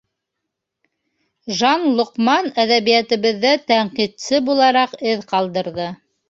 Жан Лоҡман әҙәбиәтебеҙҙә тәнҡитсе булараҡ эҙ ҡалдырҙы.